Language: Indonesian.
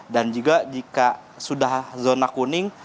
dan juga jika sudah zona kuning